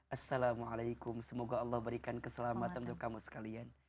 assalamualaikum semoga allah berikan keselamatan untuk kamu sekalian